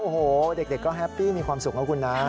โอ้โหเด็กก็แฮปปี้มีความสุขนะคุณนะ